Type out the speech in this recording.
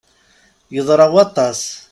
Yeḍra waṭas!